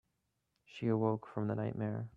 She awoke from the nightmare.